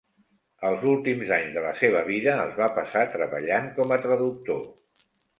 Els últims anys de la seva vida els va passar treballant com a traductor.